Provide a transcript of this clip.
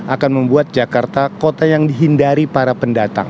akan membuat jakarta kota yang dihindari para pendatang